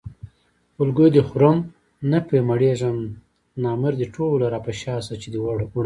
خولګۍ دې خورم نه پرې مړېږم نامرې ټوله راپشا شه چې دې وړمه